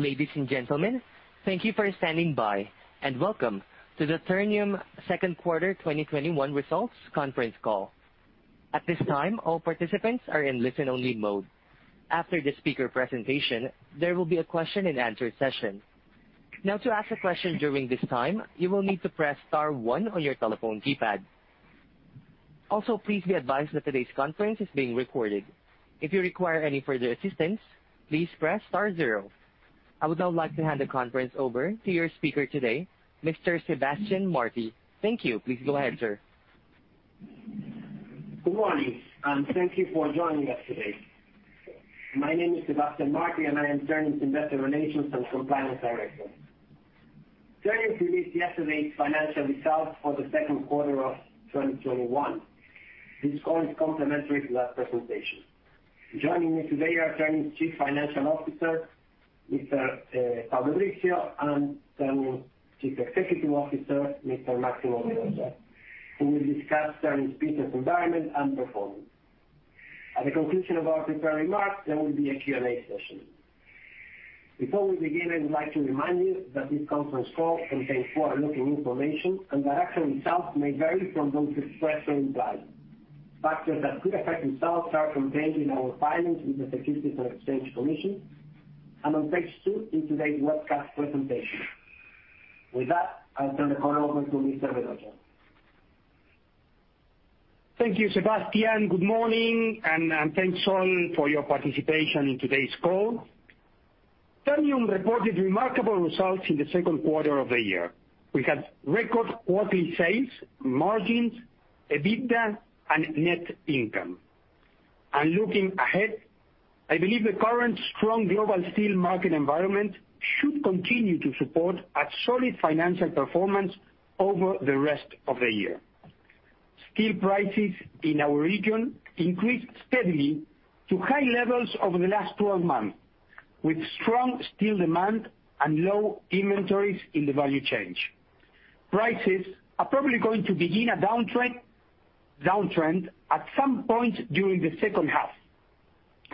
Ladies and gentlemen, thank you for standing by, and welcome to the Ternium second quarter 2021 results conference call. At this time, all participants are in listen-only mode. After the speaker's presentation, there will be a question-and-answer session. Now, to ask a question during this time, you will need to press star one on your telephone keypad. Also, please be advised that this conference is being recorded. If you require any further assistance, please press star zero. I would now like to hand the conference over to your speaker today, Mr. Sebastián Martí. Thank you. Please go ahead, sir. Good morning, and thank you for joining us today. My name is Sebastián Martí, and I am Ternium's Investor Relations and Compliance Director. Ternium released yesterday its financial results for the second quarter of 2021. This call is complementary to that presentation. Joining me today are Ternium's Chief Financial Officer, Mr. Pablo Brizzio, and Ternium's Chief Executive Officer, Mr. Máximo Vedoya, who will discuss Ternium's business environment and performance. At the conclusion of our prepared remarks, there will be a Q&A session. Before we begin, I'd like to remind you that this conference call contains forward-looking information, and the actual results may vary from those expressed or implied. Factors that could affect the results are contained in our filings with the Securities and Exchange Commission and on page two in today's webcast presentation. With that, I'll turn the call over to Mr. Máximo Vedoya. Thank you, Sebastian. Good morning, and thanks all for your participation in today's call. Ternium reported remarkable results in the second quarter of the year. We had record quarterly sales, margins, EBITDA, and net income. Looking ahead, I believe the current strong global steel market environment should continue to support a solid financial performance over the rest of the year. Steel prices in our region increased steadily to high levels over the last 12 months, with strong steel demand and low inventories in the value chain. Prices are probably going to begin a downtrend at some point during the second half,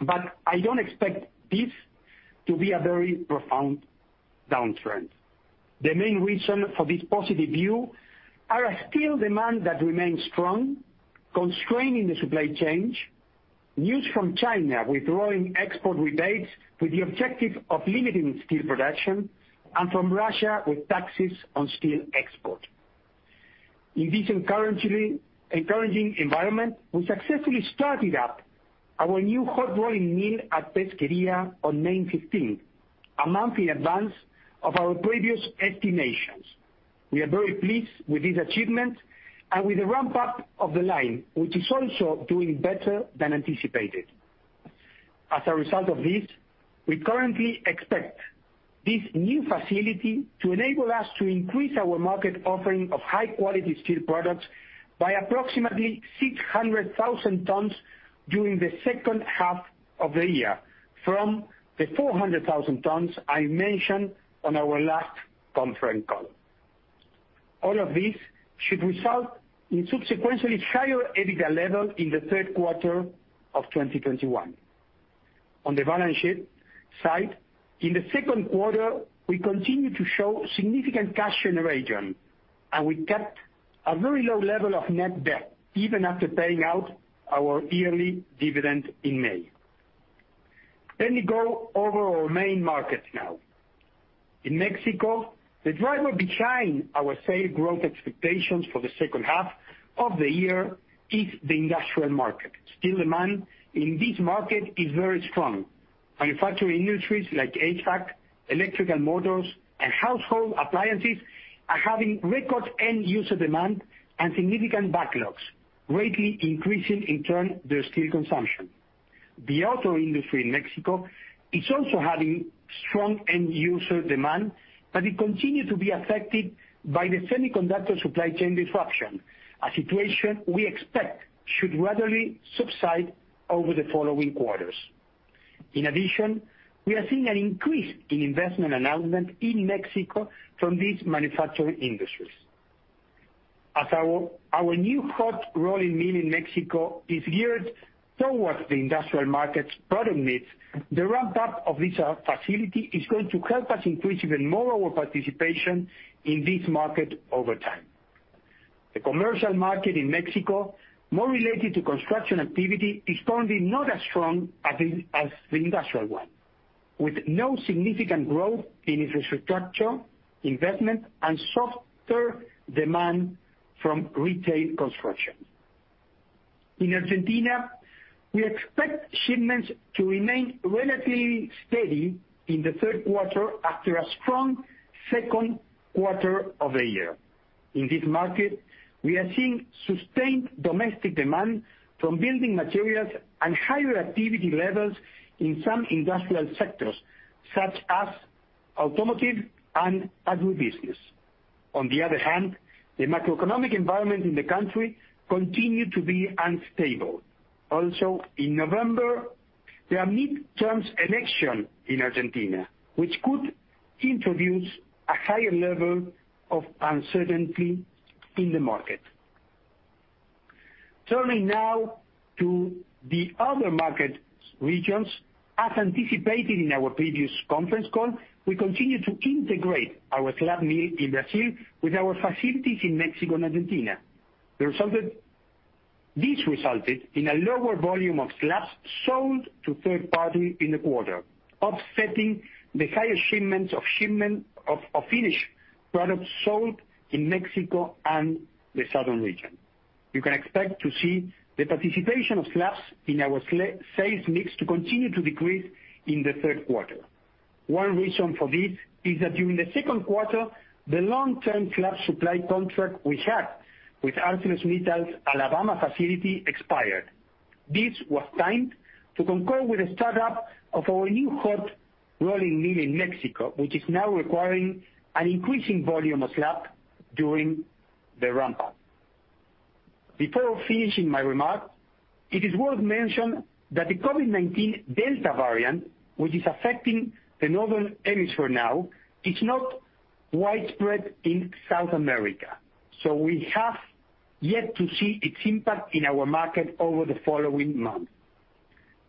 but I don't expect this to be a very profound downtrend. The main reason for this positive view are a steel demand that remains strong, constraining the supply chain, news from China withdrawing export rebates with the objective of limiting steel production, and from Russia with taxes on steel export. In this encouraging environment, we successfully started up our new hot rolling mill at Pesquería on May 15th, a month in advance of our previous estimations. We are very pleased with this achievement and with the ramp-up of the line, which is also doing better than anticipated. As a result of this, we currently expect this new facility to enable us to increase our market offering of high-quality steel products by approximately 600,000 tons during the second half of the year from the 400,000 tons I mentioned on our last conference call. All of this should result in a subsequently higher EBITDA level in the third quarter of 2021. On the balance sheet side, in the second quarter, we continued to show significant cash generation, and we kept a very low level of net debt even after paying out our yearly dividend in May. Let me go over our main markets now. In Mexico, the driver behind our sales growth expectations for the second half of the year is the industrial market. Steel demand in this market is very strong. Manufacturing industries like HVAC, electrical motors, and household appliances are having record end-user demand and significant backlogs, greatly increasing, in turn, their steel consumption. The auto industry in Mexico is also having strong end-user demand, but it continued to be affected by the semiconductor supply chain disruption, a situation we expect should gradually subside over the following quarters. In addition, we are seeing an increase in investment announcements in Mexico from these manufacturing industries. As our new hot rolling mill in Mexico is geared towards the industrial market's product needs, the ramp-up of this facility is going to help us increase even more our participation in this market over time. The commercial market in Mexico, more related to construction activity, is currently not as strong as the industrial one, with no significant growth in infrastructure investment and softer demand from retail construction. In Argentina, we expect shipments to remain relatively steady in the third quarter after a strong second quarter of the year. In this market, we are seeing sustained domestic demand from building materials and higher activity levels in some industrial sectors, such as automotive and agribusiness. On the other hand, the macroeconomic environment in the country continued to be unstable. In November, there are midterm elections in Argentina, which could introduce a higher level of uncertainty in the market. Turning now to the other market regions, as anticipated in our previous conference call, we continue to integrate our slab mill in Brazil with our facilities in Mexico and Argentina. This resulted in a lower volume of slabs sold to third party in the quarter, offsetting the higher shipments of finished products sold in Mexico and the southern region. You can expect to see the participation of slabs in our sales mix continue to decrease in the third quarter. One reason for this is that during the second quarter, the long-term slab supply contract we had with ArcelorMittal's Alabama facility expired. This was timed to concur with the startup of our new hot rolling mill in Mexico, which is now requiring an increasing volume of slab during the ramp-up. Before finishing my remarks, it is worth mention that the COVID-19 Delta variant, which is affecting the northern hemisphere now, is not widespread in South America, so we have yet to see its impact in our market over the following months.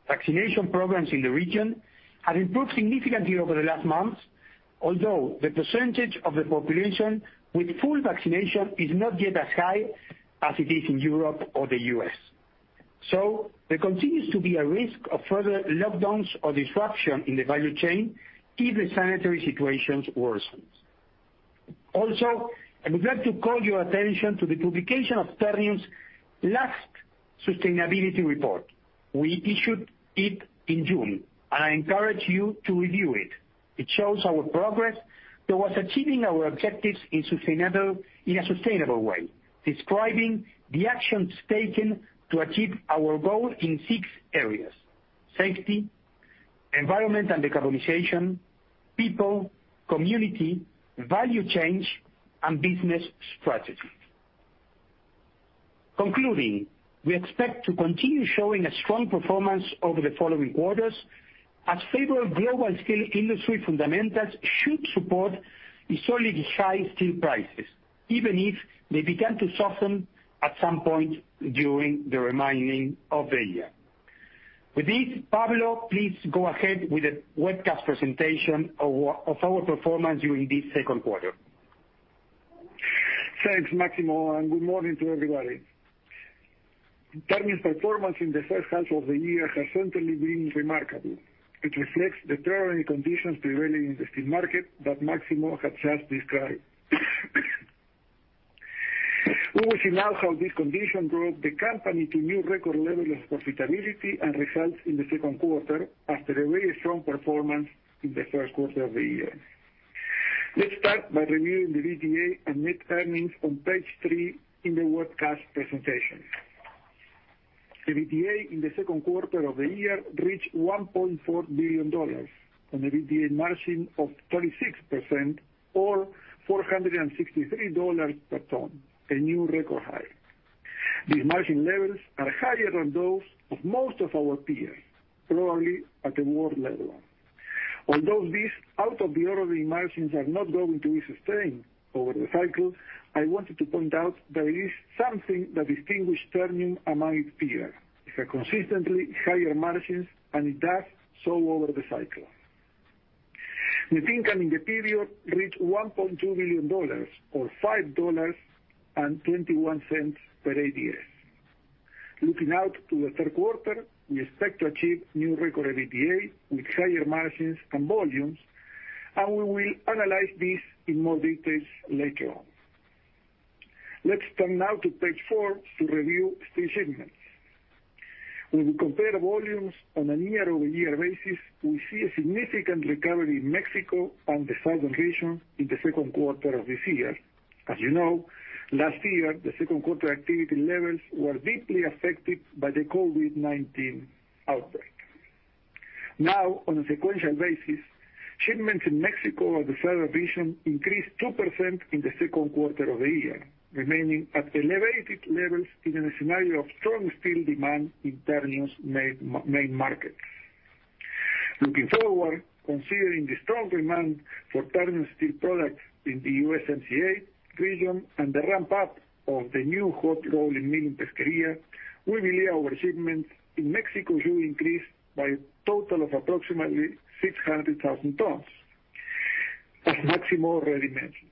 Vaccination programs in the region have improved significantly over the last months, although the percentage of the population with full vaccination is not yet as high as it is in Europe or the U.S. There continues to be a risk of further lockdowns or disruption in the value chain if the sanitary situation worsens. I would like to call your attention to the publication of Ternium's last sustainability report. We issued it in June, and I encourage you to review it. It shows our progress towards achieving our objectives in a sustainable way, describing the actions taken to achieve our goal in six areas: safety, environment and decarbonization, people, community, value chain, and business strategy. Concluding, we expect to continue showing a strong performance over the following quarters as favorable global steel industry fundamentals should support historically high steel prices, even if they begin to soften at some point during the remainder of the year. With this, Pablo, please go ahead with the webcast presentation of our performance during this second quarter. Thanks, Máximo, good morning to everybody. Ternium's performance in the first half of the year has certainly been remarkable, which reflects the prevailing conditions prevailing in the steel market that Máximo has just described. We will see now how this condition drove the company to a new record level of profitability and results in the second quarter after a very strong performance in the first quarter of the year. Let's start by reviewing the EBITDA and net earnings on page three in the webcast presentation. The EBITDA in the second quarter of the year reached $1.4 billion on the EBITDA margin of 36% or $463 per ton. A new record high. These margin levels are higher than those of most of our peers, probably at the world level. Although these out-of-the-ordinary margins are not going to be sustained over the cycle, I wanted to point out there is something that distinguishes Ternium among its peers, is consistently higher margins, and it does so over the cycle. Net income in the period reached $1.2 billion or $5.21 per ADS. Looking out to the third quarter, we expect to achieve new record EBITDA with higher margins and volumes, and we will analyze this in more details later on. Let's turn now to page four to review steel shipments. When we compare volumes on a year-over-year basis, we see a significant recovery in Mexico and the southern region in the second quarter of this year. As you know, last year, the second quarter activity levels were deeply affected by the COVID-19 outbreak. On a sequential basis, shipments in Mexico and the southern region increased 2% in the second quarter of the year, remaining at elevated levels in a scenario of strong steel demand in Ternium's main markets. Looking forward, considering the strong demand for Ternium steel products in the USMCA region and the ramp-up of the new hot rolling mill in Pesquería, we believe our shipments in Mexico should increase by a total of approximately 600,000 tons, as Máximo already mentioned.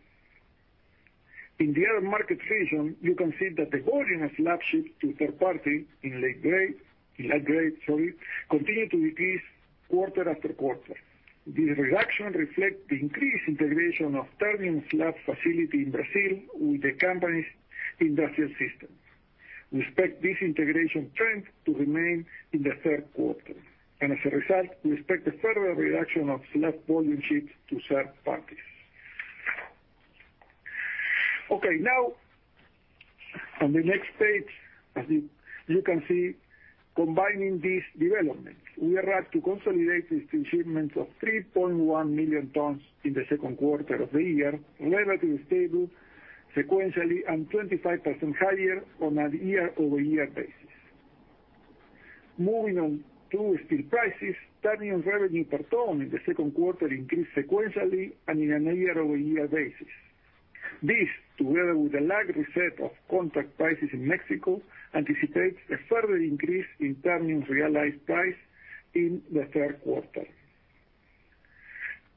In the other market region, you can see that the volume of slabs shipped to third party in low grade continue to decrease quarter after quarter. This reduction reflects the increased integration of Ternium slab facility in Brazil with the company's industrial systems. We expect this integration trend to remain in the third quarter. As a result, we expect a further reduction of slab volume ships to third parties. Okay, now on the next page, as you can see, combining this development, we are glad to consolidate the total shipments of 3.1 million tons in the second quarter of the year, relatively stable sequentially and 25% higher on a year-over-year basis. Moving on to steel prices, Ternium revenue per ton in the second quarter increased sequentially and on a year-over-year basis. This, together with the lagged reset of contract prices in Mexico, anticipates a further increase in Ternium's realized price in the third quarter.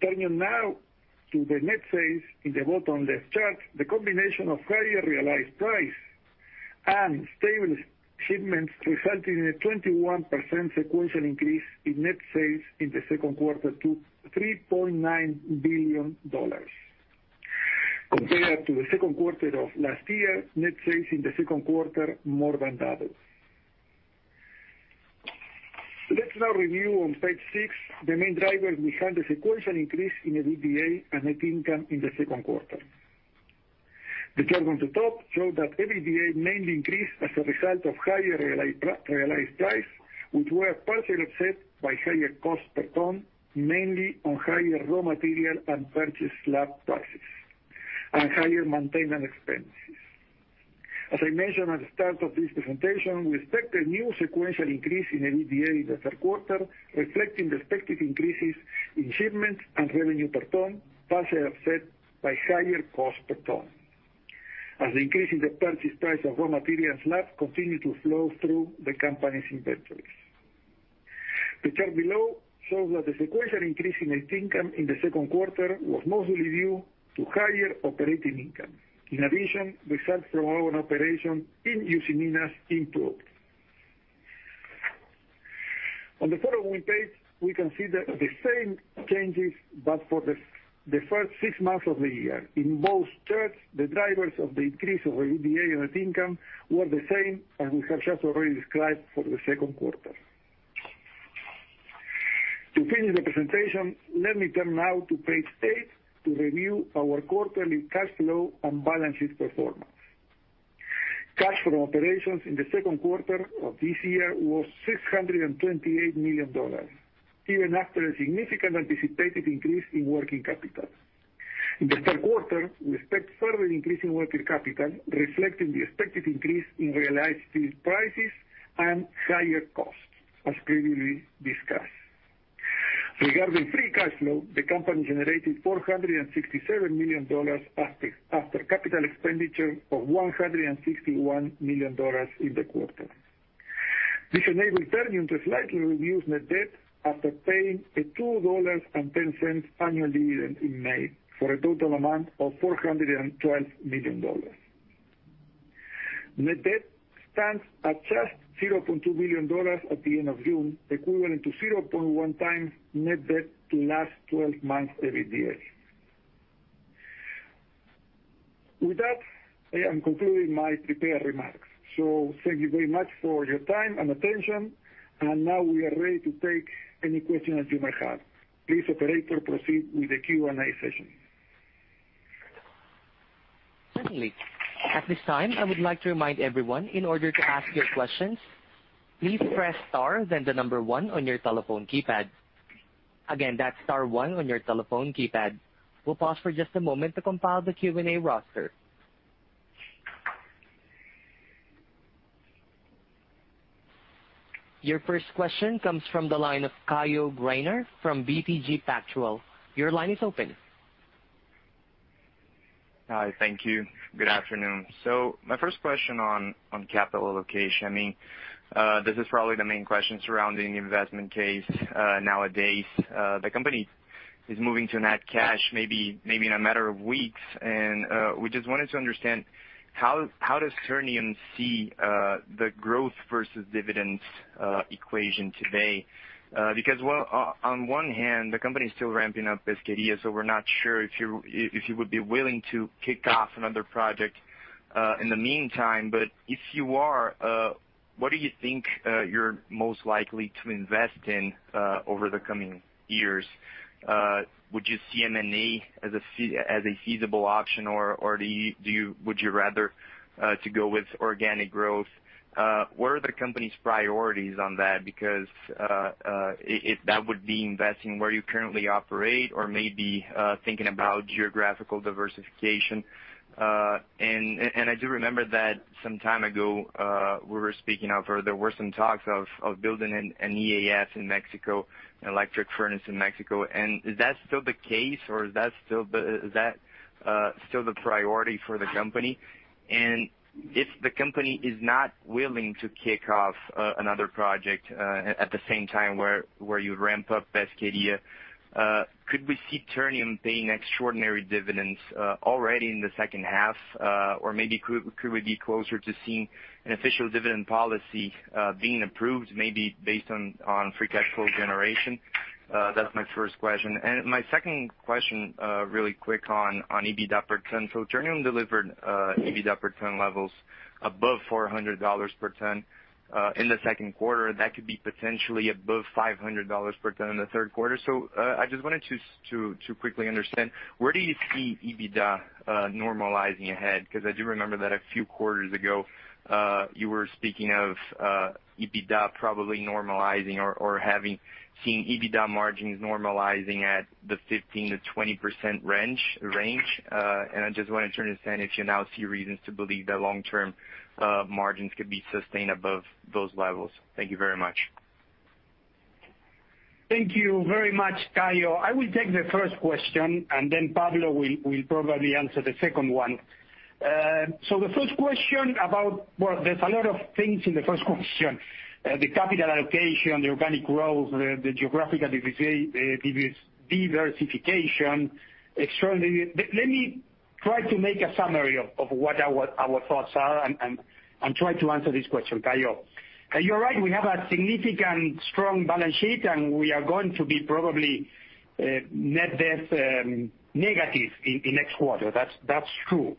Turning now to the net sales in the bottom left chart, the combination of a higher realized price and stable shipments resulted in a 21% sequential increase in net sales in the second quarter to $3.9 billion. Compared to the second quarter of last year, net sales in the second quarter more than doubled. Let's now review on page six the main drivers behind the sequential increase in EBITDA and net income in the second quarter. The chart on the top shows that EBITDA mainly increased as a result of higher realized price, which were partially offset by higher cost per ton, mainly on higher raw material and purchased slab prices, and higher maintenance expenses. As I mentioned at the start of this presentation, I expect a new sequential increase in EBITDA in the third quarter, reflecting the expected increases in shipments and revenue per ton, partially offset by higher cost per ton, as the increase in the purchase price of raw material and slab continues to flow through the company's inventories. The chart below shows that the sequential increase in net income in the second quarter was mostly due to higher operating income. In addition, results from our operation in Usiminas improved. On the following page, we can see the same changes but for the first six months of the year. In both charts, the drivers of the increase of our EBITDA and net income were the same as we have just already described for the second quarter. To finish the presentation, let me turn now to page eight to review our quarterly cash flow and balance sheet performance. Cash from operations in the second quarter of this year was $628 million, even after a significant anticipated increase in working capital. In the third quarter, we expect further increase in working capital, reflecting the expected increase in realized steel prices and higher costs, as previously discussed. Regarding free cash flow, the company generated $467 million after capital expenditure of $161 million in the quarter. This enabled Ternium to slightly reduce net debt after paying a $2.10 annual dividend in May for a total amount of $412 million. Net debt stands at just $0.2 billion at the end of June, equivalent to 0.1x net debt to last 12 months' EBITDA. With that, I am concluding my prepared remarks. Thank you very much for your time and attention, and now we are ready to take any questions you may have. Please, operator, proceed with the Q&A session. Certainly. At this time, I would like to remind everyone, in order to ask your questions, please press star then the number one on your telephone keypad. Again, that's star one on your telephone keypad. We'll pause for just a moment to compile the Q&A roster. Your first question comes from the line of Caio Greiner from BTG Pactual. Your line is open. Hi. Thank you. Good afternoon. My first question on capital allocation, this is probably the main question surrounding the investment case nowadays. The company is moving to net cash maybe in a matter of weeks, and we just wanted to understand how does Ternium see the growth versus dividends equation today? Because, on one hand, the company is still ramping up Pesqueria, so we're not sure if you would be willing to kick off another project in the meantime. If you are, what do you think you're most likely to invest in over the coming years? Would you see M&A as a feasible option, or would you rather to go with organic growth? Where are the company's priorities on that? If that would be investing where you currently operate or maybe thinking about geographical diversification. I do remember that some time ago, we were speaking of, or there were some talks of building an EAF in Mexico, an electric furnace in Mexico. Is that still the case, or is that still the priority for the company? If the company is not willing to kick off another project at the same time where you ramp up Pesqueria, could we see Ternium paying extraordinary dividends already in the second half? Maybe could we be closer to seeing an official dividend policy being approved, maybe based on free cash flow generation? That's my first question. My second question, really quick on EBITDA per ton. Ternium delivered EBITDA per ton levels above $400 per ton in the second quarter. That could be potentially above $500 per ton in the third quarter. I just wanted to quickly understand, where do you see EBITDA normalizing ahead? I do remember that a few quarters ago, you were speaking of EBITDA probably normalizing or having seen EBITDA margins normalizing at the 15%-20% range. I just wanted to understand if you now see reasons to believe the long-term margins could be sustained above those levels. Thank you very much. Thank you very much, Caio. I will take the first question, and then Pablo will probably answer the second one. The first question about there's a lot of things in the first question. The capital allocation, the organic growth, the geographical diversification. Let me try to make a summary of what our thoughts are and try to answer this question, Caio. You're right, we have a significant, strong balance sheet, and we are going to be probably net negative in next quarter. That's true.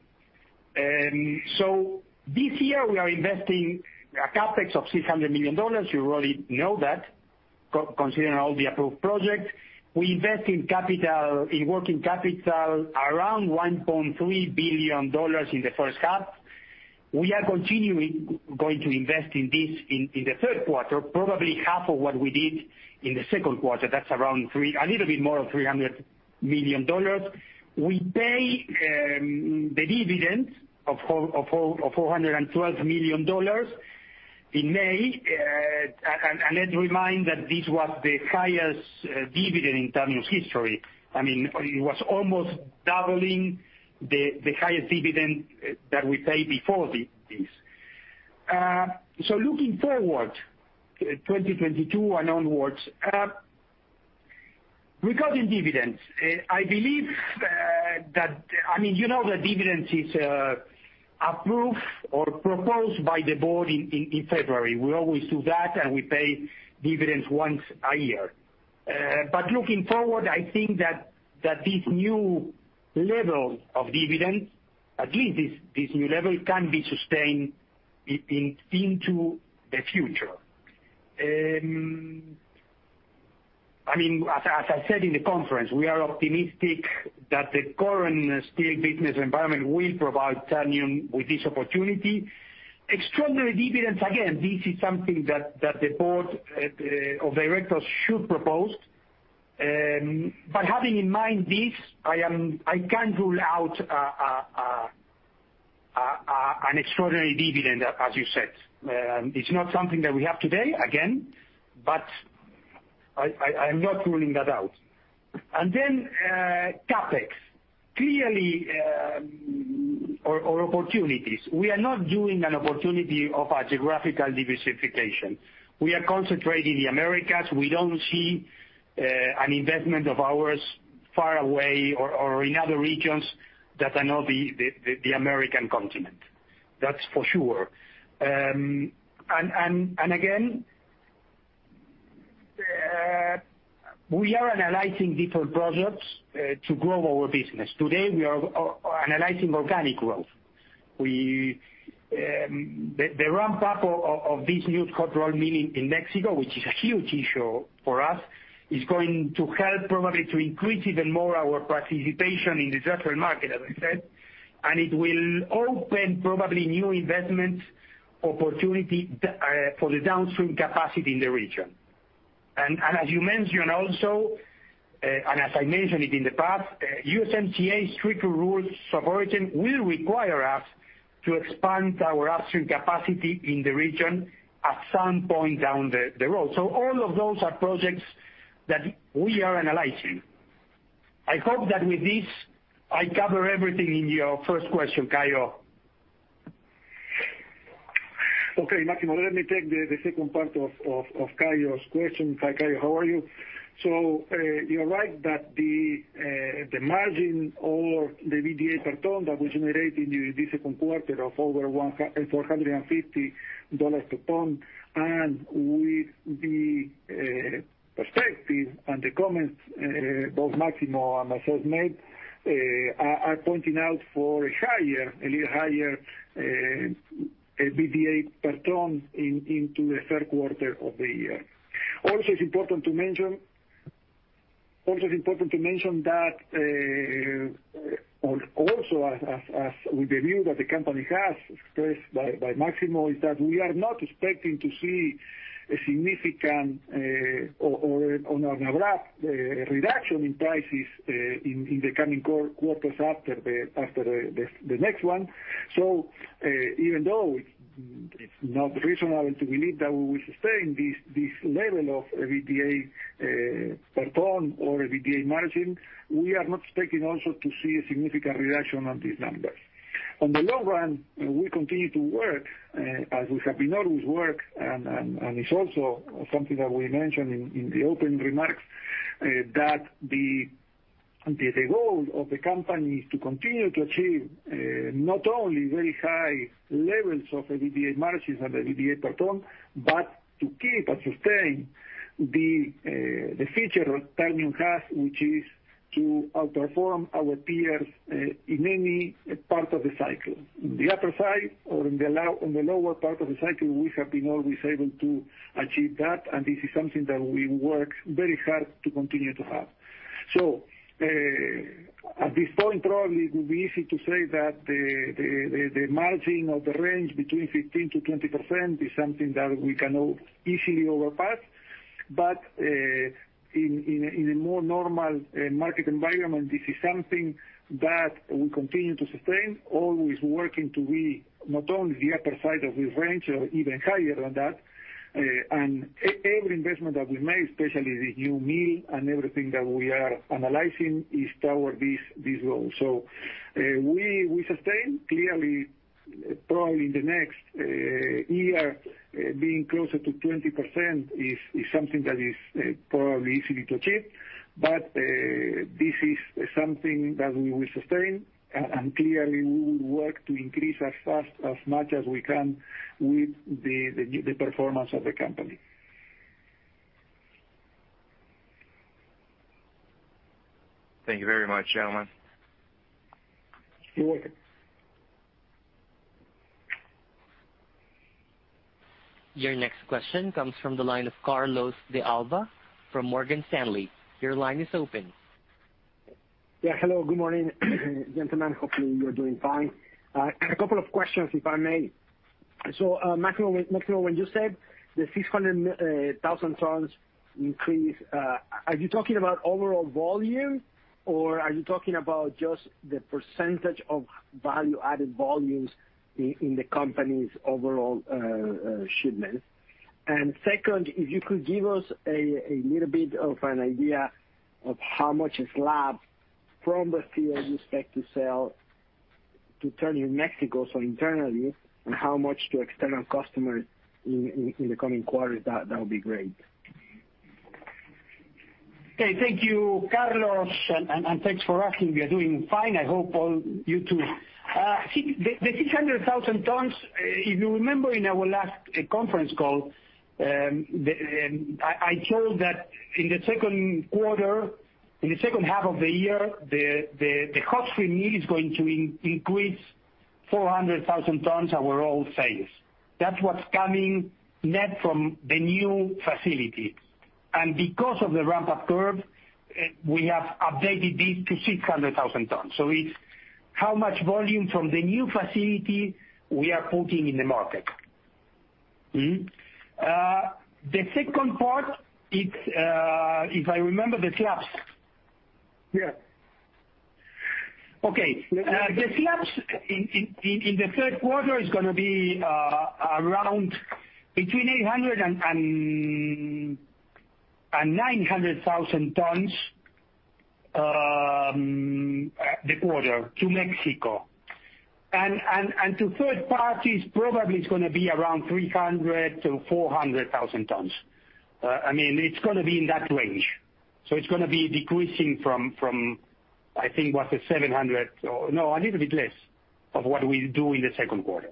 This year we are investing a CapEx of $600 million. You already know that, considering all the approved projects. We invest in working capital around $1.3 billion in the first half. We are continuing going to invest in this in the third quarter, probably half of what we did in the second quarter. That's around a little bit more of $300 million. We pay the dividend of $412 million in May. Let's remind that this was the highest dividend in Ternium's history. It was almost doubling the highest dividend that we paid before this. Looking forward to 2022 and onwards, regarding dividends, I believe that you know the dividends is approved or proposed by the board in February. We always do that, and we pay dividends once a year. Looking forward, I think that this new level of dividends, at least this new level can be sustained into the future. As I said at the conference, we are optimistic that the current steel business environment will provide Ternium with this opportunity. Extraordinary dividends, again, this is something that the board of directors should propose. Having in mind this, I can't rule out an extraordinary dividend, as you said. It's not something that we have today, again, but I'm not ruling that out. CapEx. Clearly, our opportunities. We are not doing an opportunity of a geographical diversification. We are concentrated in the Americas. We don't see an investment of ours far away or in other regions that are not the American Continent. That's for sure. Again, we are analyzing different projects to grow our business. Today, we are analyzing organic growth. The ramp-up of this new hot-rolled mill in Mexico, which is a huge issue for us, is going to help probably to increase even more our participation in the general market, as I said. It will open probably new investment opportunity for the downstream capacity in the region. As you mentioned also, and as I mentioned it in the past, USMCA's stricter rules of origin will require us to expand our upstream capacity in the region at some point down the road. All of those are projects that we are analyzing. I hope that with this, I cover everything in your first question, Caio. Okay, Máximo, let me take the second part of Caio's question. Hi, Caio, how are you? You're right that the margin or the EBITDA per ton that we generate in the second quarter of over $450 per ton, and with the perspective and the comments both Máximo and myself made, are pointing out for a little higher EBITDA per ton into the third quarter of the year. It's important to mention that, also as with the view that the company has expressed by Máximo, is that we are not expecting to see a significant or an abrupt reduction in prices in the coming quarters after the next one. Even though it's not reasonable to believe that we will sustain this level of EBITDA per ton or EBITDA margin, we are not expecting also to see a significant reduction on these numbers. On the long run, we continue to work, as we have been always work, it's also something that we mentioned in the opening remarks, that the goal of the company is to continue to achieve not only very high levels of EBITDA margins and EBITDA per ton, but to keep and sustain the feature Ternium has, which is to outperform our peers in any part of the cycle. In the upper side or on the lower part of the cycle, we have been always able to achieve that. This is something that we work very hard to continue to have. At this point, probably it will be easy to say that the margin of the range between 15%-20% is something that we can easily overpass. In a more normal market environment, this is something that we continue to sustain, always working to be not only the upper side of the range or even higher than that. Every investment that we make, especially the new mill and everything that we are analyzing, is toward this role. We sustain, clearly, probably in the next year, being closer to 20% is something that is probably easy to achieve. This is something that we will sustain, and clearly, we will work to increase as fast, as much as we can with the performance of the company. Thank you very much, gentlemen. You're welcome. Your next question comes from the line of Carlos de Alba from Morgan Stanley. Your line is open. Yeah, hello. Good morning, gentlemen. Hopefully you're doing fine. A couple of questions, if I may. Máximo Vedoya, when you said the 600,000 tons increase, are you talking about overall volume, or are you talking about just the percentage of value-added volumes in the company's overall shipment? Second, if you could give us a little bit of an idea of how much slab from Brazil you expect to sell to Ternium Mexico, so internally, and how much to external customers in the coming quarters, that would be great. Okay. Thank you, Carlos, and thanks for asking. We are doing fine. I hope all you too. The 600,000 tons, if you remember in our last conference call, I told that in the second quarter, in the second half of the year, the hot-strip mill is going to increase 400,000 tons our overall sales. That's what's coming net from the new facility. Because of the ramp-up curve, we have updated this to 600,000 tons. It's how much volume from the new facility we are putting in the market. The second part, if I remember, the slabs. Yeah. Okay. The slabs in the third quarter is going to be around between 800,000 and 900,000 tons, the quarter to Mexico. To third parties, probably it's going to be around 300,000-400,000 tons. It's going to be in that range. It's going to be decreasing from, I think, what? The 700,000 tons or no, a little bit less of what we do in the second quarter.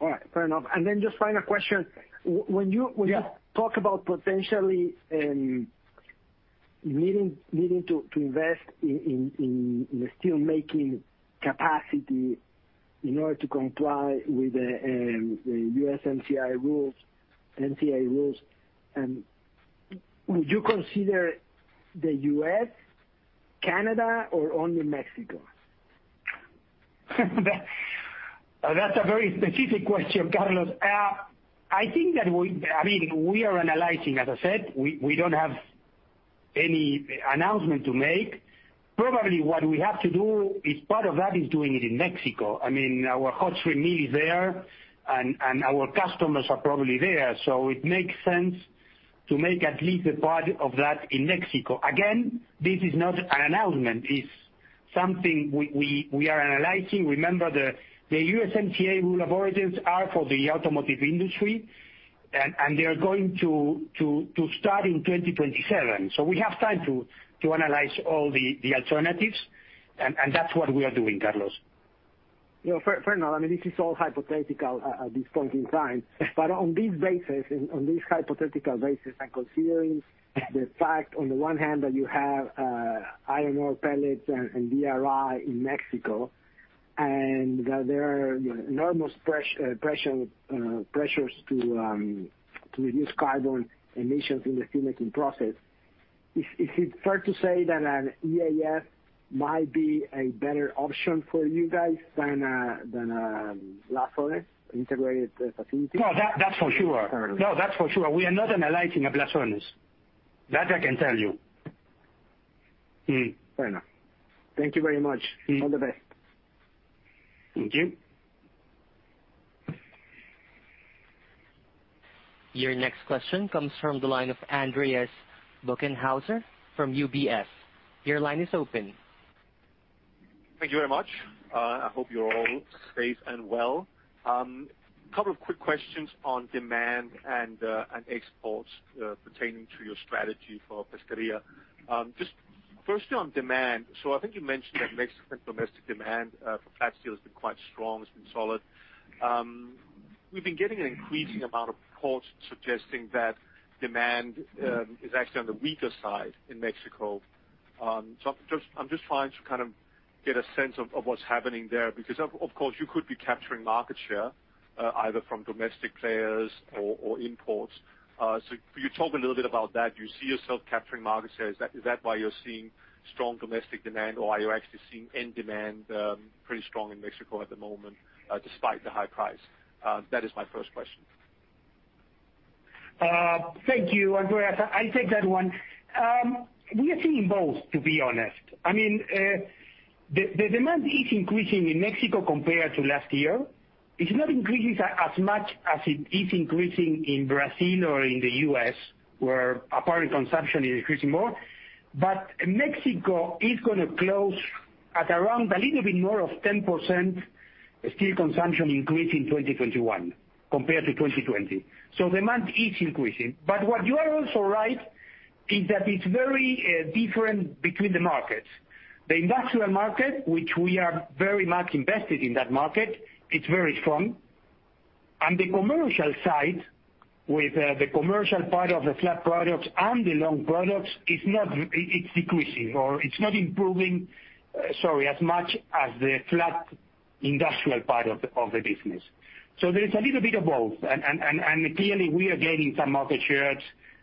All right. Fair enough. Then just final question. Yeah Talk about potentially needing to invest in the steelmaking capacity in order to comply with the USMCA rules, would you consider the U.S., Canada, or only Mexico? That's a very specific question, Carlos. I think that we are analyzing, as I said, we don't have any announcement to make. What we have to do is part of that is doing it in Mexico. Our hot-strip mill is there, and our customers are probably there, so it makes sense to make at least a part of that in Mexico. This is not an announcement. It's something we are analyzing. The USMCA rule of origins are for the automotive industry, and they're going to start in 2027. We have time to analyze all the alternatives, and that's what we are doing, Carlos. Yeah. Fair enough. This is all hypothetical at this point in time. On this basis, on this hypothetical basis, and considering the fact on the one hand that you have iron ore pellets and DRI in Mexico, and that there are enormous pressures to reduce carbon emissions in the steel-making process. Is it fair to say that an EAF might be a better option for you guys than a blast furnace integrated facility? No, that's for sure. We are not analyzing a blast furnace. That I can tell you. Fair enough. Thank you very much. All the best. Thank you. Your next question comes from the line of Andreas Bokkenheuser from UBS. Your line is open. Thank you very much. I hope you're all safe and well. Couple of quick questions on demand and exports pertaining to your strategy for Pesqueria. Just firstly on demand, I think you mentioned that Mexican domestic demand for flat steel has been quite strong, it's been solid. We've been getting an increasing amount of reports suggesting that demand is actually on the weaker side in Mexico. I'm just trying to get a sense of what's happening there, because of course, you could be capturing market share, either from domestic players or imports. Could you talk a little bit about that? Do you see yourself capturing market share? Is that why you're seeing strong domestic demand, or are you actually seeing end demand pretty strong in Mexico at the moment, despite the high price? That is my first question. Thank you, Andreas. I'll take that one. We are seeing both, to be honest. The demand is increasing in Mexico compared to last year. It's not increasing as much as it is increasing in Brazil or in the U.S., where apparent consumption is increasing more. Mexico is going to close at around a little bit more of 10% steel consumption increase in 2021 compared to 2020. Demand is increasing. What you are also right is that it's very different between the markets. The industrial market, which we are very much invested in that market, it's very strong. The commercial side, with the commercial part of the flat products and the long products, it's decreasing or it's not improving as much as the flat industrial part of the business. There is a little bit of both, and clearly, we are gaining some market share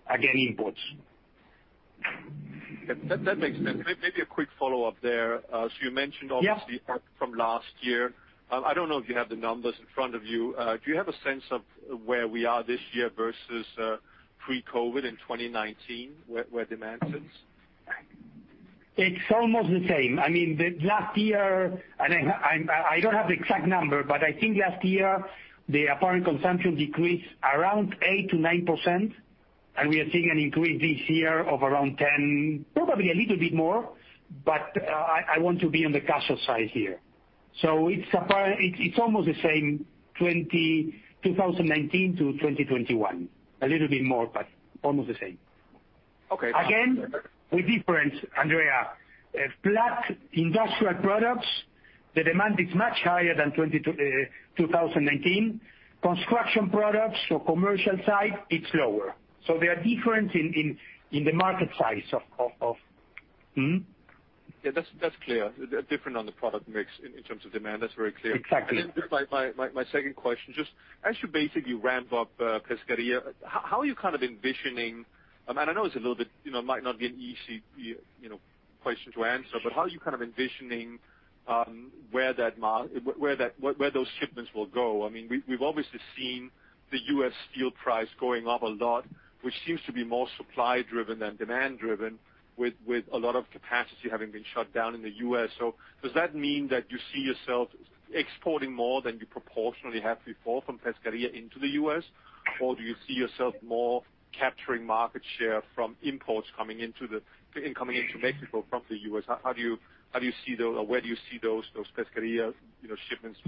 against imports. That makes sense. Maybe a quick follow-up there. You mentioned obviously. Yeah from last year. I don't know if you have the numbers in front of you. Do you have a sense of where we are this year versus pre-COVID in 2019, where demand sits? It's almost the same. I don't have the exact number, but I think last year, the apparent consumption decreased around 8%-9%, and we are seeing an increase this year of around 10%, probably a little bit more, but I want to be on the cautious side here. It's almost the same, 2019 to 2021. A little bit more, but almost the same. Okay. With difference, Andreas. Flat industrial products, the demand is much higher than 2019. Construction products, so commercial side, it's lower. They are different in the market size of. Yeah, that's clear. Different on the product mix in terms of demand. That's very clear. Exactly. Just my second question, just as you basically ramp up Pesquería, how are you envisioning and I know it might not be an easy question to answer. Sure. How are you envisioning where those shipments will go? We've obviously seen the U.S. steel price going up a lot, which seems to be more supply driven than demand driven, with a lot of capacity having been shut down in the U.S. Does that mean that you see yourself exporting more than you proportionally have before from Pesquería into the U.S.? Or do you see yourself more capturing market share from imports coming into Mexico from the U.S.? Where do you see those Pesquería shipments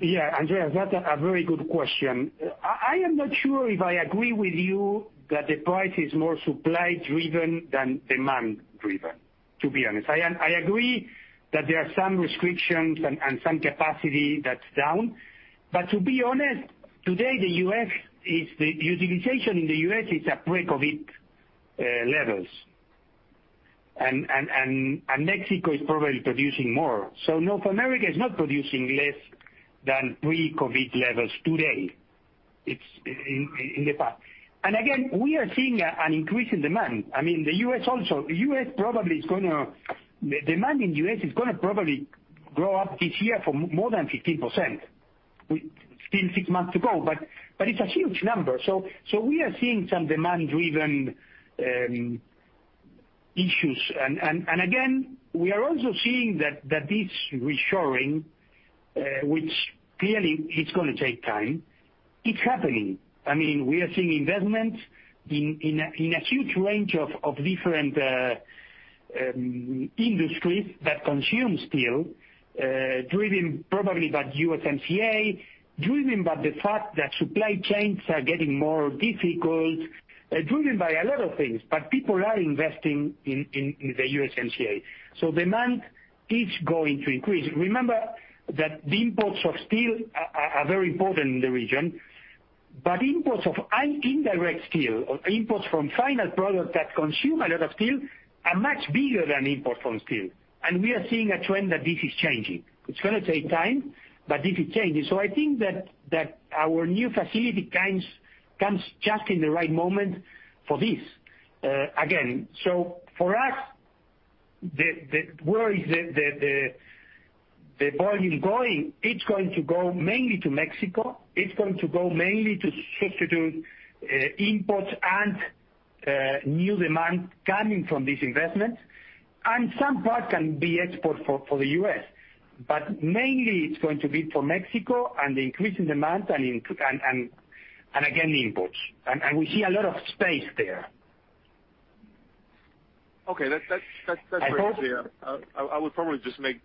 going? Andreas, that's a very good question. I am not sure if I agree with you that the price is more supply-driven than demand-driven, to be honest. I agree that there are some restrictions and some capacity that's down. To be honest, today, the utilization in the U.S. is at pre-COVID levels. Mexico is probably producing more. North America is not producing less than pre-COVID levels today in the past. Again, we are seeing an increase in demand. The U.S. probably, demand in the U.S. is going to probably go up this year for more than 15%. Still 6 months to go, but it's a huge number. We are seeing some demand-driven issues. Again, we are also seeing that this reshoring, which clearly, it's going to take time, it's happening. We are seeing investments in a huge range of different industries that consume steel, driven probably by USMCA, driven by the fact that supply chains are getting more difficult, driven by a lot of things. People are investing in the USMCA. Demand is going to increase. Remember that the imports of steel are very important in the region, but imports of indirect steel, imports from final products that consume a lot of steel, are much bigger than imports from steel. We are seeing a trend that this is changing. It's going to take time, but this is changing. I think that our new facility comes just in the right moment for this. Again, for us, where is the volume going? It's going to go mainly to Mexico. It's going to go mainly to substitute imports and new demand coming from these investments. Some part can be exported for the U.S. Mainly, it's going to be for Mexico and the increase in demand, and again, imports. We see a lot of space there. Okay, that's very clear. I would probably just make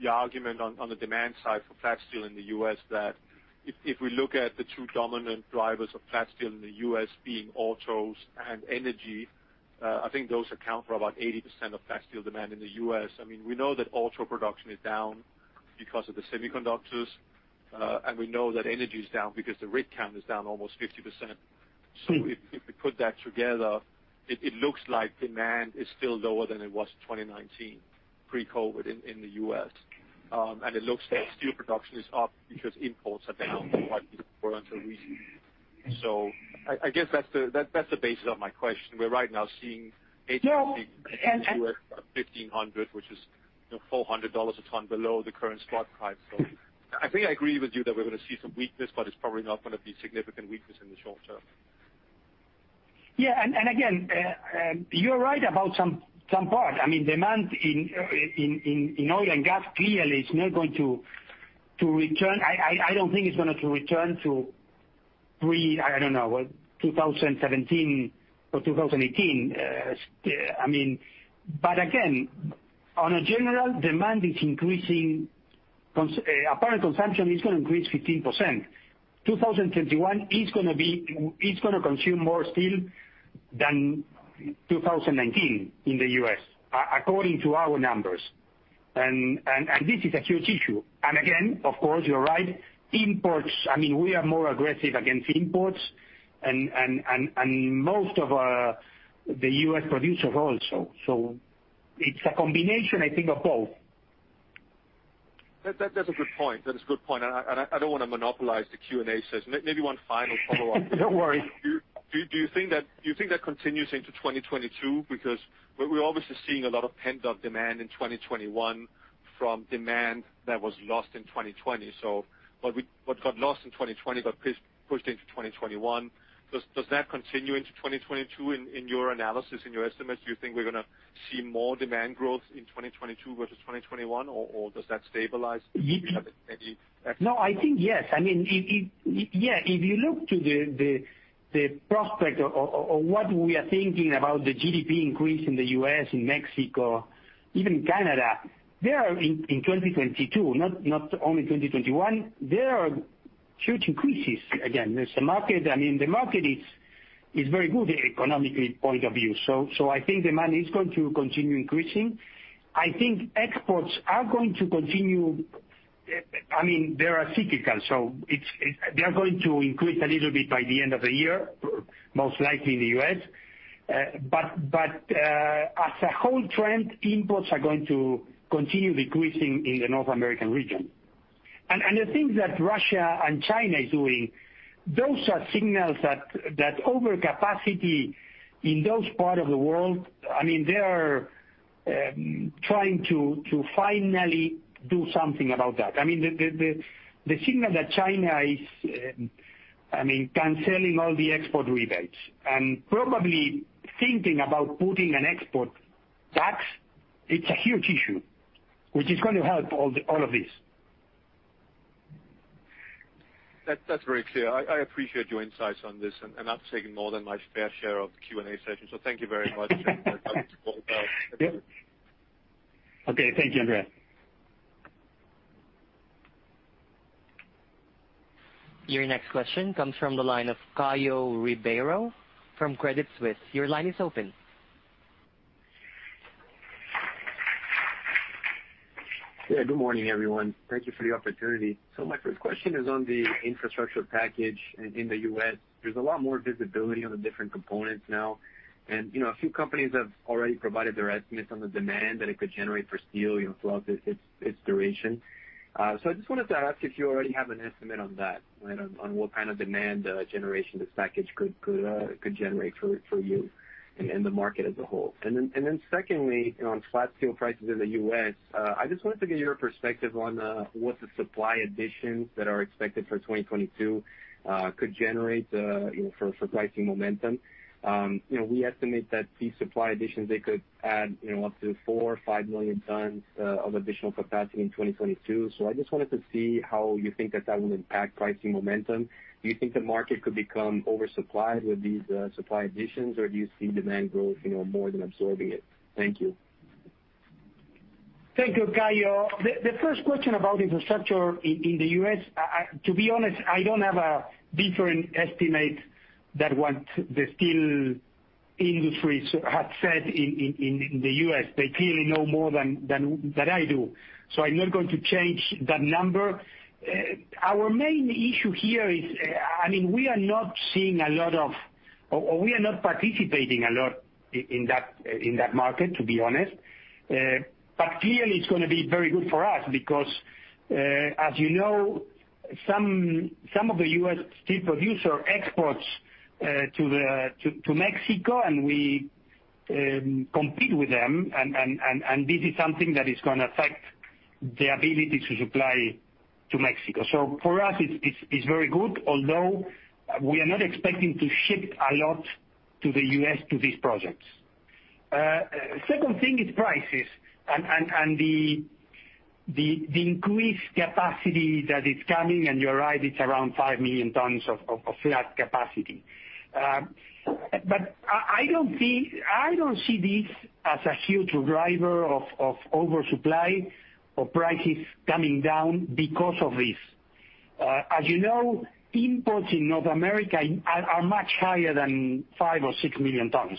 the argument on the demand side for flat steel in the U.S. that if we look at the two dominant drivers of flat steel in the U.S. being autos and energy, I think those account for about 80% of flat steel demand in the U.S. We know that auto production is down because of the semiconductors. We know that energy is down because the rig count is down almost 50%. If we put that together, it looks like demand is still lower than it was 2019, pre-COVID-19 in the U.S. It looks like steel production is up because imports are down quite considerably. I guess that's the basis of my question. We're right now seeing HRC. No. $1,500, which is $400 a ton below the current spot price. I think I agree with you that we're going to see some weakness, but it's probably not going to be significant weakness in the short term. Yeah. Again, you're right about some part. Demand in oil and gas clearly is not going to return, I don't think it's going to return to pre, I don't know, what, 2017 or 2018. Again, on a general, demand is increasing. Apparent consumption is going to increase 15%. 2021 is going to consume more steel than 2019 in the U.S., according to our numbers. This is a huge issue. Again, of course, you're right, imports, we are more aggressive against imports, and most of the U.S. producers also. It's a combination, I think of both. That's a good point. I don't want to monopolize the Q&A session. Maybe one final follow-up. Don't worry. Do you think that continues into 2022? We're obviously seeing a lot of pent-up demand in 2021 from demand that was lost in 2020. What got lost in 2020 got pushed into 2021. Does that continue into 2022 in your analysis, in your estimates? Do you think we're going to see more demand growth in 2022 versus 2021, or does that stabilize? Do you have any estimates? No, I think yes. If you look to the prospect or what we are thinking about the GDP increase in the U.S., in Mexico, even Canada, in 2022, not only 2021, there are huge increases. Again, the market is very good economic point of view. I think demand is going to continue increasing. I think exports are going to continue, they are cyclical, so they're going to increase a little bit by the end of the year, most likely in the U.S. As a whole trend, imports are going to continue decreasing in the North American region. The things that Russia and China is doing, those are signals that overcapacity in those part of the world, they are trying to finally do something about that. The signal that China is canceling all the export rebates and probably thinking about putting an export tax, it's a huge issue, which is going to help all of this. That's very clear. I appreciate your insights on this and not taking more than my fair share of the Q&A session. Thank you very much. I'll pass it over. Okay. Thank you, Andreas. Your next question comes from the line of Caio Ribeiro from Credit Suisse. Your line is open. Yeah. Good morning, everyone. Thank you for the opportunity. My first question is on the infrastructure package in the U.S. There is a lot more visibility on the different components now, and a few companies have already provided their estimates on the demand that it could generate for steel throughout its duration. I just wanted to ask if you already have an estimate on that, on what kind of demand generation this package could generate for you and the market as a whole. Secondly, on flat steel prices in the U.S., I just wanted to get your perspective on what the supply additions that are expected for 2022 could generate for pricing momentum. We estimate that these supply additions, they could add up to 4 million or 5 million tons of additional capacity in 2022. I just wanted to see how you think that will impact pricing momentum. Do you think the market could become oversupplied with these supply additions, or do you see demand growth more than absorbing it? Thank you. Thank you, Caio. The first question about infrastructure in the U.S., to be honest, I don't have a different estimate than what the steel industry has said in the U.S. They clearly know more than I do, so I'm not going to change that number. Our main issue here is, we are not seeing a lot of, or we are not participating a lot in that market, to be honest. Clearly, it's going to be very good for us because, as you know, some of the U.S. steel producer exports to Mexico, and we compete with them, and this is something that is going to affect their ability to supply to Mexico. For us, it's very good, although we are not expecting to ship a lot to the U.S. to these projects. Second thing is prices and the increased capacity that is coming, you're right, it's around 5 million tons of flat capacity. I don't see this as a huge driver of oversupply or prices coming down because of this. As you know, imports in North America are much higher than 5 million-6 million tons.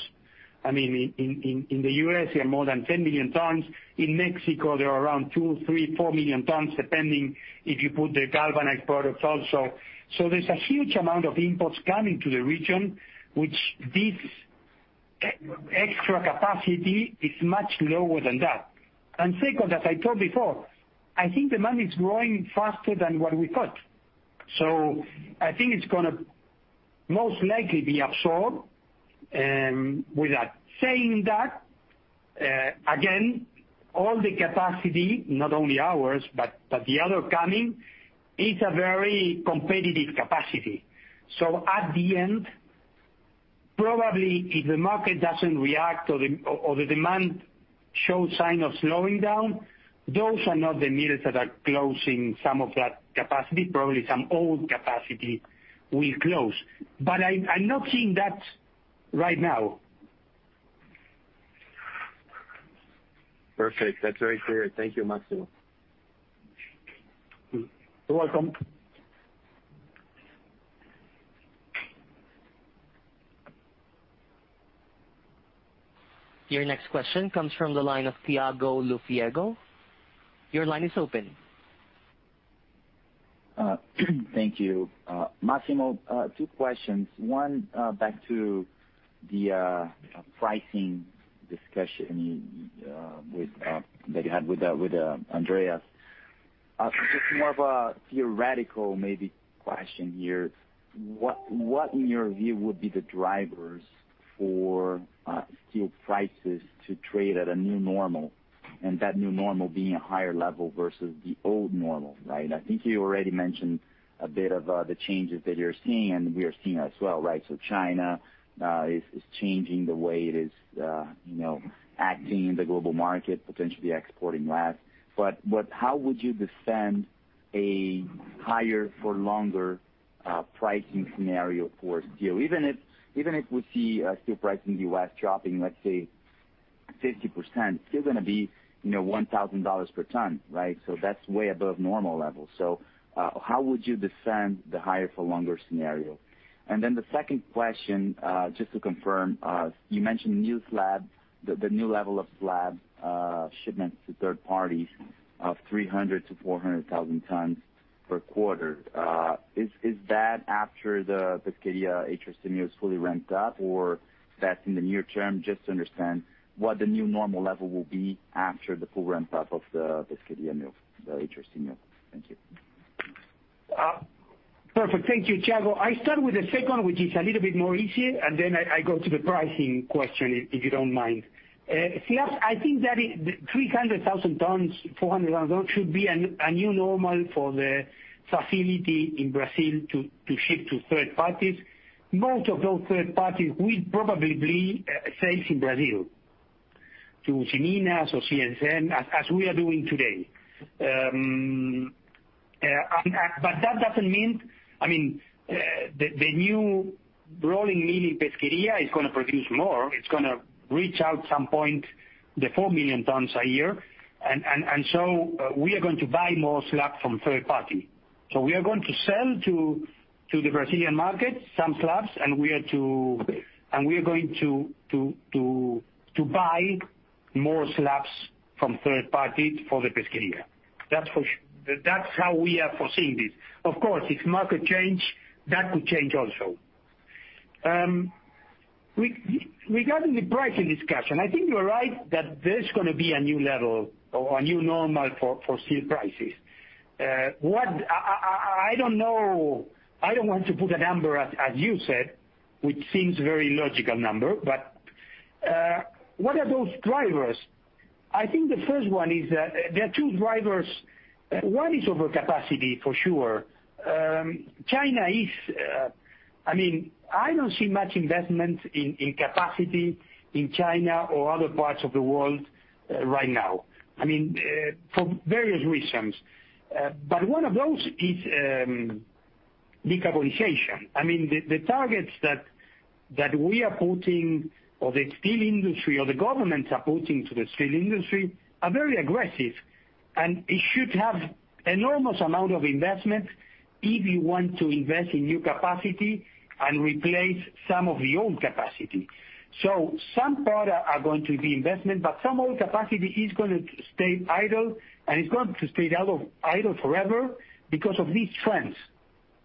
In the U.S. they are more than 10 million tons. In Mexico, there are around 2 million-4 million tons, depending if you put the galvanized products also. There's a huge amount of imports coming to the region, which this extra capacity is much lower than that. Second, as I told before, I think demand is growing faster than what we thought. I think it's going to most likely be absorbed. With that saying that, again, all the capacity, not only ours, but the other coming, is a very competitive capacity. At the end, probably if the market doesn't react or the demand shows sign of slowing down, those are not the mills that are closing some of that capacity. Probably some old capacity will close. I'm not seeing that right now. Perfect. That's very clear. Thank you, Máximo. You're welcome. Your next question comes from the line of Thiago Lofiego. Your line is open. Thank you. Máximo, two questions. One, back to the pricing discussion that you had with Andreas. Just more of a theoretical maybe question here. What in your view would be the drivers for steel prices to trade at a new normal, and that new normal being a higher level versus the old normal, right? I think you already mentioned a bit of the changes that you're seeing, and we are seeing as well, right? China is changing the way it is acting in the global market, potentially exporting less. How would you defend a higher for longer pricing scenario for steel? Even if we see steel price in the U.S. dropping, let's say 50%, still going to be $1,000 per ton, right? That's way above normal levels. How would you defend the higher for longer scenario? The second question, just to confirm, you mentioned the new level of slab shipments to third parties of 300,000-400,000 tons per quarter. Is that after the Pesqueria HRC mill is fully ramped up, or that's in the near term? Just to understand what the new normal level will be after the full ramp-up of the Pesqueria mill, the HRC mill. Thank you. Perfect. Thank you, Thiago. I start with the second, which is a little bit more easier, and then I go to the pricing question, if you don't mind. Yes, I think that 300,000 tons, 400,000 tons should be a new normal for the facility in Brazil to ship to third parties. Most of those third parties will probably be sales in Brazil, to Usiminas or CSN, as we are doing today. That doesn't mean the new rolling mill in Pesquería is going to produce more. It's going to reach out some point the 4 million tons a year. We are going to buy more slab from third party. We are going to sell to the Brazilian market some slabs, and we are going to buy more slabs from third party for the Pesquería. That's how we are foreseeing this. Of course, if market change, that could change also. Regarding the pricing discussion, I think you're right that there's going to be a new level or a new normal for steel prices. I don't want to put a number, as you said, which seems very logical number. What are those drivers? I think the first one is that there are two drivers. One is overcapacity, for sure. I don't see much investment in capacity in China or other parts of the world right now, from various reasons. One of those is decarbonization. The targets that we are putting, or the steel industry, or the governments are putting to the steel industry are very aggressive. It should have enormous amount of investment if you want to invest in new capacity and replace some of the old capacity. Some part are going to be investment, but some old capacity is going to stay idle, and it's going to stay idle forever because of these trends.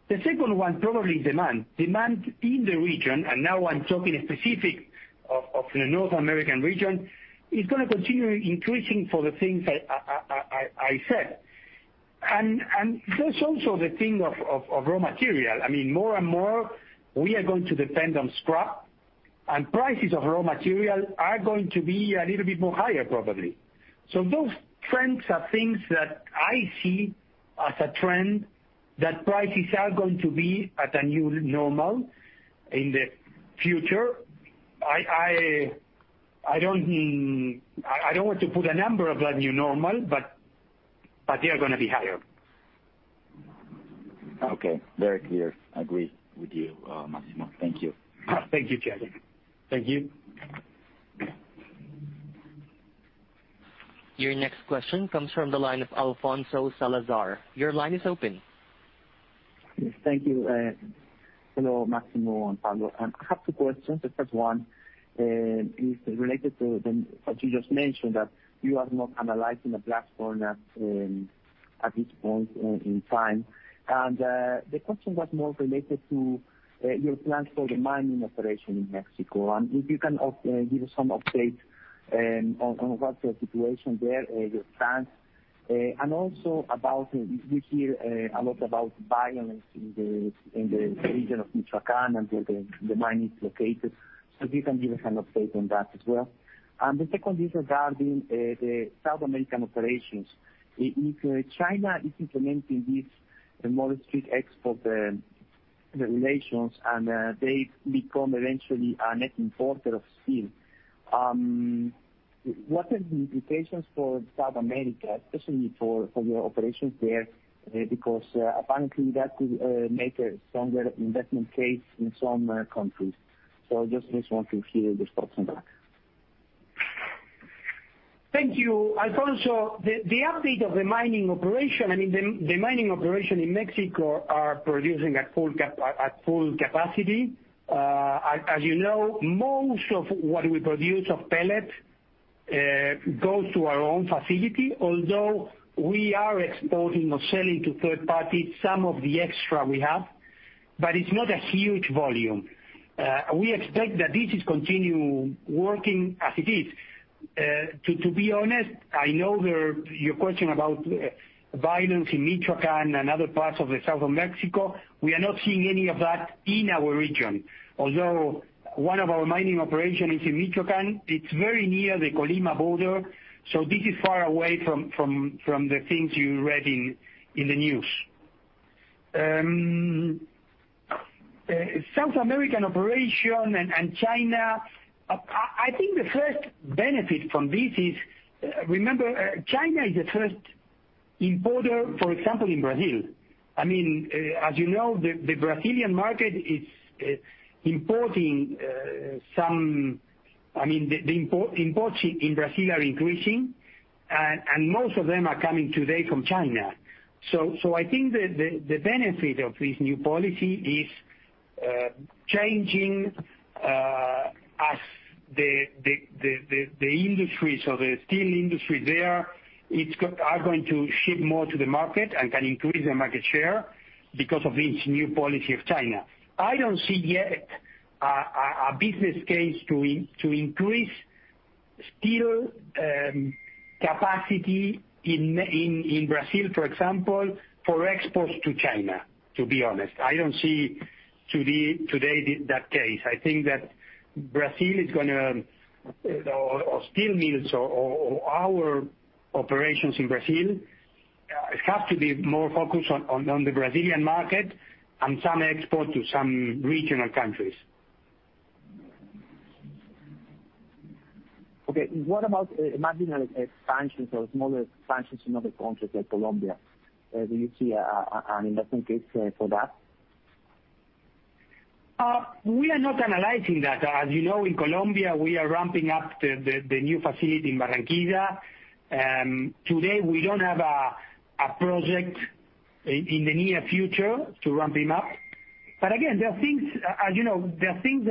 The second one, probably demand. Demand in the region, and now I'm talking specific of the North American region, is going to continue increasing for the things I said. There's also the thing of raw material. More and more, we are going to depend on scrap, and prices of raw material are going to be a little bit more higher probably. Those trends are things that I see as a trend, that prices are going to be at a new normal in the future. I don't want to put a number of that new normal, but they are going to be higher. Okay. Very clear. Agree with you, Máximo. Thank you. Thank you, Thiago. Thank you. Your next question comes from the line of Alfonso Salazar. Your line is open. Yes. Thank you. Hello, Máximo and Pablo. I have two questions. The first one is related to what you just mentioned that you are not analyzing a blast furnace at this point in time. The question was more related to your plans for the mining operation in Mexico, and if you can give us some update on what's the situation there, your plans. Also, we hear a lot about violence in the region of Michoacán, and where the mine is located. If you can give an update on that as well. The second is regarding the South American operations. If China is implementing these more strict export regulations and they become eventually a net importer of steel, what are the implications for South America, especially for your operations there? Because apparently, that could make a stronger investment case in some countries. I just want to hear your thoughts on that. Thank you, Alfonso. The update of the mining operation in Mexico are producing at full capacity. As you know, most of what we produce of pellet goes to our own facility, although we are exporting or selling to third party some of the extra we have, but it's not a huge volume. We expect that this will continue working as it is. To be honest, I know your question about violence in Michoacan and other parts of the south of Mexico, we are not seeing any of that in our region. Although one of our mining operations is in Michoacan, it's very near the Colima border, so this is far away from the things you read in the news. South American operation and China, I think the first benefit from this is, remember, China is the first importer, for example, in Brazil. As you know, the imports in Brazil are increasing, and most of them are coming today from China. I think the benefit of this new policy is changing as the industry, the steel industry there are going to ship more to the market and can increase their market share because of this new policy of China. I don't see yet a business case to increase steel capacity in Brazil, for example, for exports to China, to be honest. I don't see today that case. I think that Brazil is going to, or steel mills or our operations in Brazil, have to be more focused on the Brazilian market and some exports to some regional countries. What about marginal expansions or smaller expansions in other countries like Colombia? Do you see an investment case for that? We are not analyzing that. As you know, in Colombia, we are ramping up the new facility in Barranquilla. Today we don't have a project in the near future to ramp it up. Again, there are things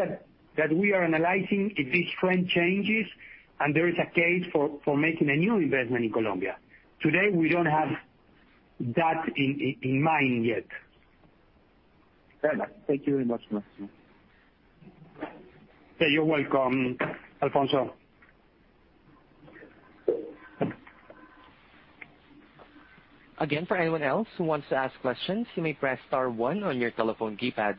that we are analyzing if this trend changes, and there is a case for making a new investment in Colombia. Today, we don't have that in mind yet. Fair enough. Thank you very much, Máximo. You're welcome, Alfonso. Again, for anyone else who wants to ask questions, you may press star one on your telephone keypad.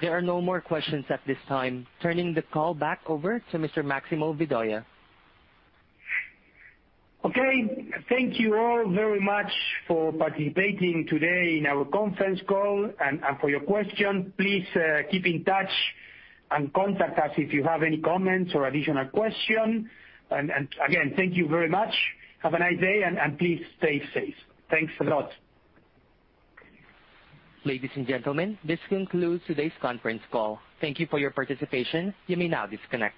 There are no more questions at this time. Turning the call back over to Mr. Máximo Vedoya. Okay. Thank you all very much for participating today in our conference call, and for your question. Please keep in touch and contact us if you have any comments or additional question. Again, thank you very much. Have a nice day. Please stay safe. Thanks a lot. Ladies and gentlemen, this concludes today's conference call. Thank you for your participation. You may now disconnect.